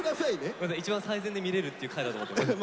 ごめんなさい一番最前で見れるっていう回だと思ってました。